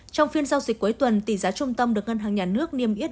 trong phiên giao dịch cuối tuần tỷ giá trung tâm được ngân hàng nhà nước niêm yết